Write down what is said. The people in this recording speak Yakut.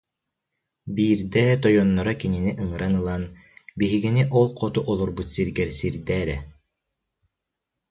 Биирдэ тойонноро кинини ыҥыран ылан: «Биһигини ол хоту олорбут сиргэр сирдээ эрэ»